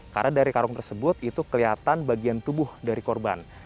karena dari karung tersebut itu kelihatan bagian tubuh dari korban